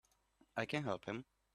I can help him!